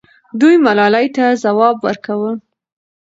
دوی ملالۍ ته ځواب ورکاوه.